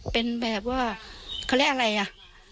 เป็นแบบว่าเขาเรียกอะไรอ่ะ